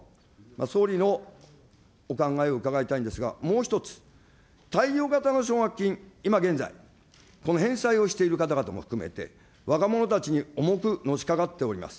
総理のお考えを伺いたいんですが、もう一つ、貸与型の奨学金、今現在、この返済をしている方々も含めて、若者たちに重くのしかかっております。